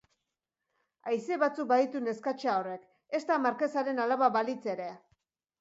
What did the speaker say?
Haize batzuk baditu neskatxa horrek!, ezta markesaren alaba balitz ere!